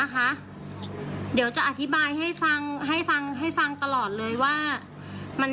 กว่าจะได้ผงน้องคนนั้น